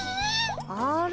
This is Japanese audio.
あれ？